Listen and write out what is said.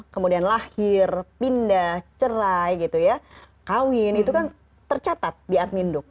kemudian lahir pindah cerai gitu ya kawin itu kan tercatat di admin duk